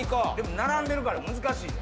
並んでるから難しいで。